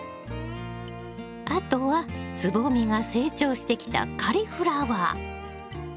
あとは蕾が成長してきたカリフラワー。